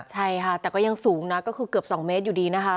ใช่ค่ะแต่ก็ยังสูงนะก็คือเกือบ๒เมตรอยู่ดีนะคะ